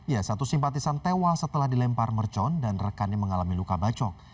ya satu simpatisan tewas setelah dilempar mercon dan rekannya mengalami luka bacok